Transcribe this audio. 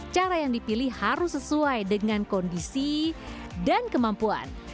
cara yang dipilih harus sesuai dengan kondisi dan kemampuan